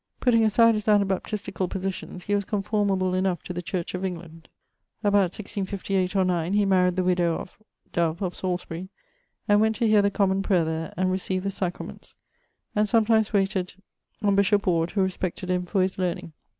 Putting aside his Anabaptisticall positions, he was comformable enough to the Church of England. About 1658 or 9, he maried the widowe of ... Dove, of Salisbury, and went to hear the Common Prayer there, and recieved the Sacraments; and sometimes wayted on bishop Ward, who respected him for his learning.